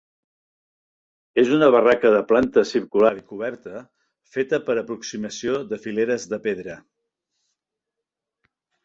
És una barraca de planta circular i coberta feta per aproximació de fileres de pedra.